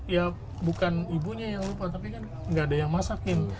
ya bukan ibunya yang lupa tapi kan nggak ada yang masakin